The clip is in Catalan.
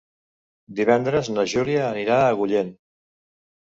Divendres na Júlia anirà a Agullent.